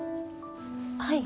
はい。